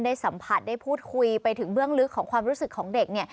ได้สัมผัสได้พูดคุยไปถึงเบื้องลึกของความรู้สึกของเด็กเนี่ย